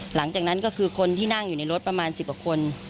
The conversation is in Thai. หลังจากนั้นก็คือคนที่นั่งอยู่ในรถประมาณ๑๐กว่าคน